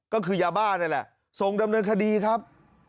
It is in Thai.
ก็คือยาบ้านี่แหละส่งดำเนินคดีครับ